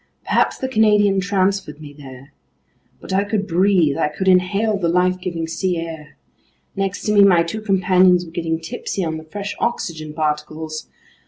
Perhaps the Canadian transferred me there. But I could breathe, I could inhale the life giving sea air. Next to me my two companions were getting tipsy on the fresh oxygen particles.